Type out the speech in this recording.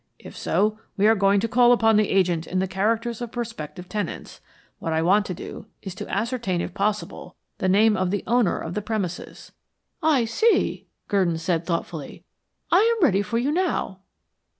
If so, we are going to call upon the agent in the characters of prospective tenants. What I want to do is to ascertain if possible the name of the owner of the premises." "I see," Gurdon said thoughtfully. "I am ready for you now."